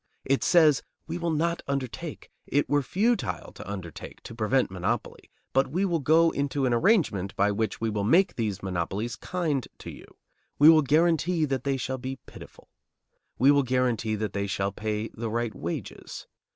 It says: "We will not undertake, it were futile to undertake, to prevent monopoly, but we will go into an arrangement by which we will make these monopolies kind to you. We will guarantee that they shall be pitiful. We will guarantee that they shall pay the right wages.